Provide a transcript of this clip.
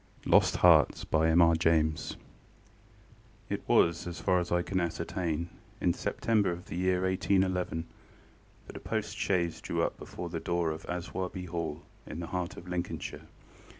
LOST HEARTS It was, as far as I can ascertain, in September of the year 1811 that a post chaise drew up before the door of Aswarby Hall, in the heart of Lincolnshire.